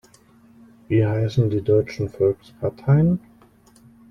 Wie heißen die deutschen Volksparteien?